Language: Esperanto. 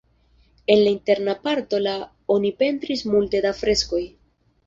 En la interna parto la oni pentris multe da freskoj.